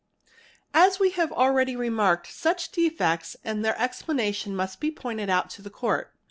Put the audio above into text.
As we have already remarked, such defects and their explanation must be pointed out to the Court.